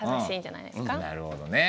なるほどね。